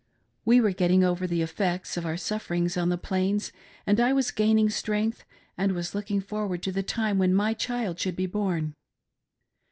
We were getting over the effects of our sufferings on the Plains, and I was gaining strength and was looking forward to the time when my child should be born.